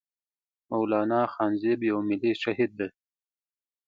مولانا خانزيب يو ملي شهيد دی